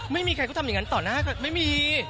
ไม่มีใครเขาทำอย่างนั้นต่อหน้าก็ไม่มี